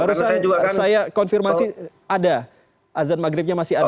baru saya konfirmasi ada azan maghribnya masih ada